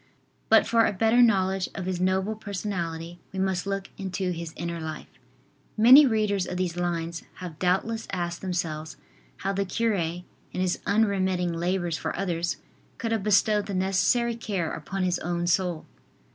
But for a better knowledge of his noble personality we must look into his inner life. Many readers of these lines have doubtless asked themselves how the cure, in his unremitting labors for others, could have bestowed the necessary care upon his own soul.